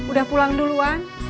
udah pulang duluan